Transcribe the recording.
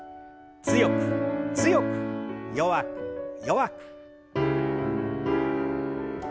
強く強く弱く弱く。